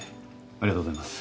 ありがとうございます。